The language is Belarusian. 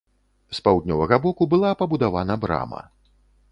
З паўднёвага боку была пабудавана брама.